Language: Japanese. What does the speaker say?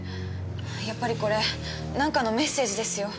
やっぱりこれなんかのメッセージですよ。